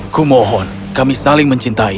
kumohon kami saling mencintai